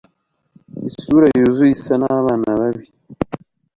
isura yuzuye isa nabana babi